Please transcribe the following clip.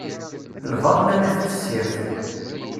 Lbaḍna n at tessirt.